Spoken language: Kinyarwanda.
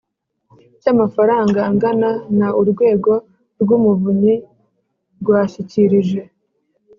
cy amafaranga angana na Urwego rw Umuvunyi rwashyikirije